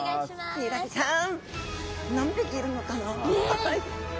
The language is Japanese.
ヒイラギちゃん